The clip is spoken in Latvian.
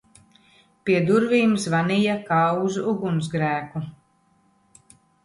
Pie durvīm zvanīja kā uz ugunsgrēku!